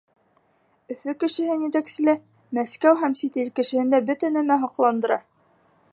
Өфө кешеһен етәкселә, Мәскәү һәм сит ил кешеһендә бөтә нәмә һоҡландыра.